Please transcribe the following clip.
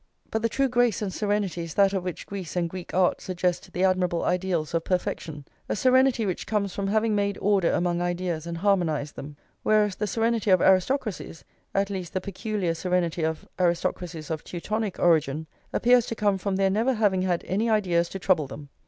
But the true grace and serenity is that of which Greece and Greek art suggest the admirable ideals of perfection, a serenity which comes from having made order among ideas and harmonised them; whereas the serenity of aristocracies, at least the peculiar serenity of aristocracies of Teutonic origin, appears to come from their never having had any ideas to trouble them.